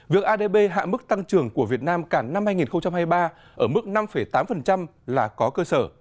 việc adb hạ mức tăng trưởng của việt nam cả năm hai nghìn hai mươi ba ở mức năm tám là có cơ sở